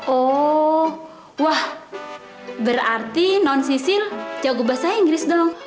oh wah berarti non sisil jago bahasanya inggris dong